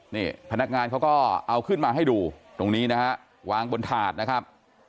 นี่พนักงานเขาก็เอาขึ้นมาให้ดูตรงนี้นะฮะวางบนถาดนะครับ